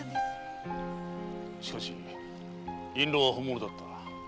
しかし印籠は本物だった。